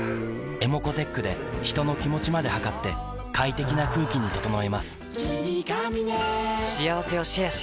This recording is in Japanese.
ｅｍｏｃｏーｔｅｃｈで人の気持ちまで測って快適な空気に整えます